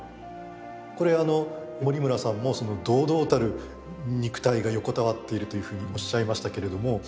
これあの森村さんも堂々たる肉体が横たわっているというふうにおっしゃいましたけれども。